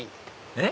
えっ？